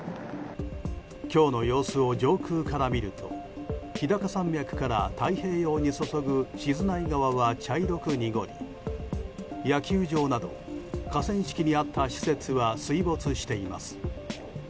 今日の様子を上空から見ると日高山脈から太平洋にそそぐ静内川は茶色く濁り野球場など河川敷にあった施設は水没しています。